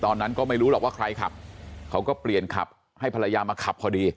ตอนนั้นก็ไม่รู้หรอกว่าใครขับเขาก็เปลี่ยนขับให้ภรรยามาขับพอดี